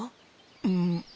うん。